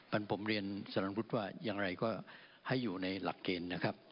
ผมเรียนสรรพุทธว่ายังไหร่ก็ให้อยู่ในหลักเกณฑ์นะครับ